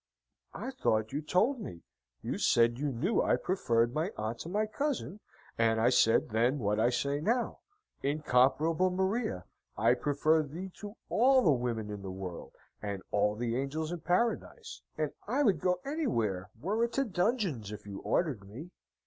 "I thought you told me. You said you knew I preferred my aunt to my cousin, and I said then what I say now, 'Incomparable Maria! I prefer thee to all the women in the world and all the angels in Paradise and I would go anywhere, were it to dungeons, if you ordered me!'